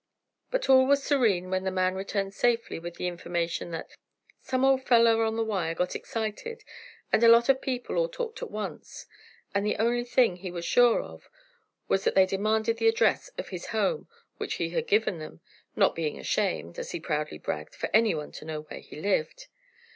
But all was serene when the man returned safely with the information that: "some old feller on the wire got excited, and a lot of people all talked at once," and the only thing he was sure of was that they demanded the address of his home, which he had given them, not being ashamed, as he proudly bragged, for anyone to know where he lived.